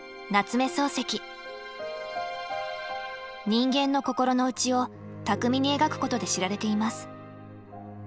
人間の心の内を巧みに描くことで知られています。